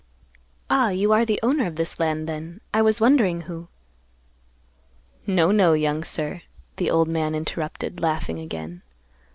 "Ah, you are the owner of this land, then? I was wondering who—" "No, no, young sir," the old man interrupted, laughing again.